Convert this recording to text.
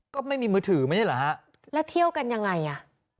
ก็ไม่มีมือถือไม่ใช่เหรอฮะแล้วเที่ยวกันยังไงอ่ะ